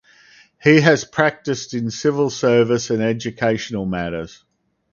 He has practiced in civil service and educational matters.